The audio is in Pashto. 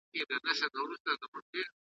چي اشرف د مخلوقاتو د سبحان دی `